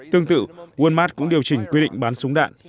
tương tự walmart cũng điều chỉnh quy định bán súng đạn